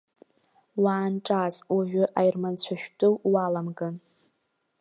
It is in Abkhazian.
Уаанҿас, уажәы аерманцәа шәтәы уаламган.